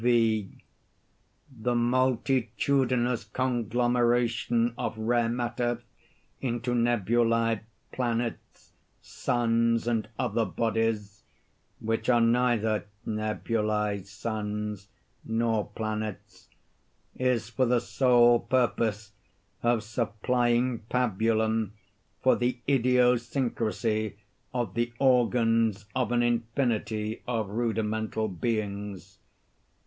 V. The multitudinous conglomeration of rare matter into nebulæ, planets, suns, and other bodies which are neither nebulæ, suns, nor planets, is for the sole purpose of supplying pabulum for the idiosyncrasy of the organs of an infinity of rudimental beings.